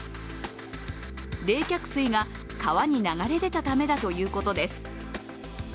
冷却水が川に流れ出たためだということです。